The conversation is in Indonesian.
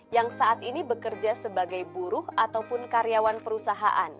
yang saat ini bekerja sebagai buruh atau pekerja